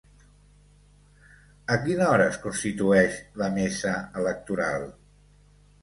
A quina hora es constitueix la mesa electoral?